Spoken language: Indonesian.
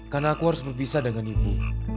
karena aku harus berpisah dengan ibu